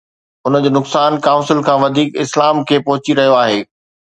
ان جو نقصان ڪائونسل کان وڌيڪ اسلام کي پهچي رهيو آهي.